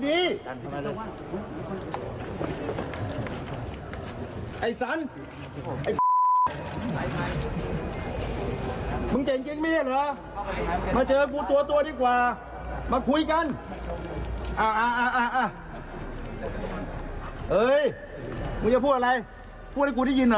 ใส่กระโปรงมาหรือเปล่า